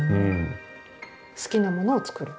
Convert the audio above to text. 好きなものを作る？